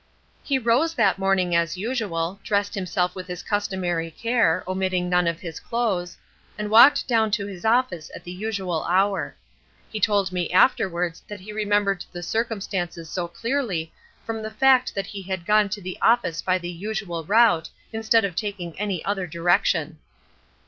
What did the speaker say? "He rose that morning as usual, dressed himself with his customary care, omitting none of his clothes, and walked down to his office at the usual hour. He told me afterwards that he remembered the circumstances so clearly from the fact that he had gone to the office by the usual route instead of taking any other direction."